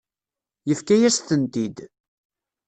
Yefka-yas-tent-id.